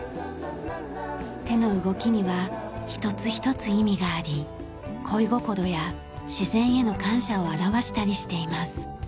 手の動きには一つ一つ意味があり恋心や自然への感謝を表したりしています。